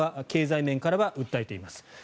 経済面からは訴えています。